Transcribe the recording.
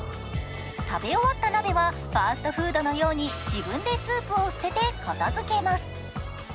食べ終わった鍋はファストフードのように自分でスープを捨てて片づけます。